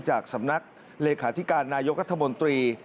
จากสำนักเลขาธิการนายกรัฐมนตรี